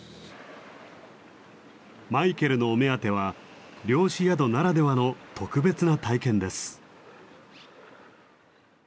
マイケルのお目当ては漁師宿ならではの特別な体験です。